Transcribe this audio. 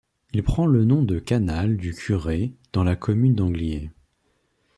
Il prend le nom de canal du Curé dans la commune d'Angliers.